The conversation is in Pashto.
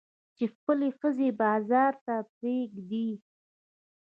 چې خپلې ښځې بازار ته پرېږدي.